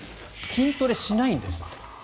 筋トレしないんですって。